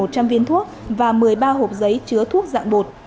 chứa sáu một trăm linh viên thuốc và một mươi ba hộp giấy chứa thuốc dạng bột